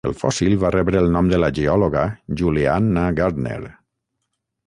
El fòssil va rebre el nom de la geòloga Julia Anna Gardner.